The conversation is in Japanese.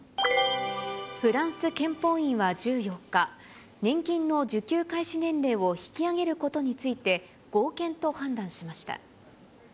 フランス憲法院は１４日、年金の受給開始年齢を引き上げることについて、合憲と判断しました。